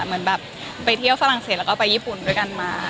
เหมือนแบบไปเที่ยวฝรั่งเศสแล้วก็ไปญี่ปุ่นด้วยกันมา